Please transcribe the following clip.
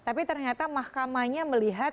tapi ternyata mahkamahnya melihat